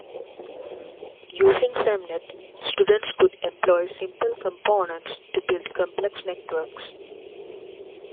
Using SemNet, students could employ simple components to build complex networks.